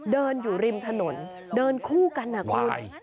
เดินอยู่ริมถนนเดินคู่กันนะคุณ